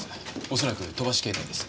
恐らく飛ばし携帯です。